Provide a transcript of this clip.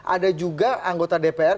ada juga anggota dpr